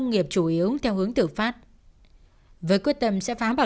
nên tò mò mở ra xem